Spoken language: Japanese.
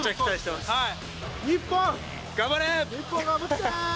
日本頑張って。